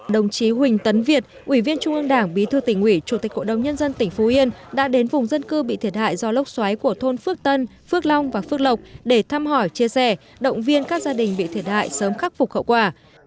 đồng chí huỳnh tấn việt ủy viên trung ương đảng bí thư tỉnh ủy chủ tịch hội đồng nhân dân tỉnh phú yên đã đến vùng dân cư bị thiệt hại do lốc xoáy của thôn phước tân phước long và phước lộc để thăm hỏi chia sẻ động viên các gia đình bị thiệt hại sớm khắc phục hậu quả